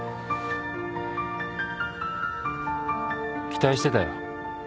期待してたよ